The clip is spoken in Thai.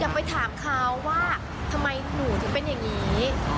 ไปถามเขาว่าทำไมหนูถึงเป็นอย่างนี้